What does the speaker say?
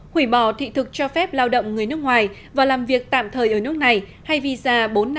hủy bỏ thị thực cho phép lao động người nước ngoài và làm việc tạm thời ở nước này hay visa bốn trăm năm mươi bảy